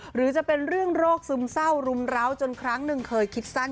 หรือจะเป็นเรื่องโรคซึมเศร้ารุมร้าวจนครั้งหนึ่งเคยคิดสั้น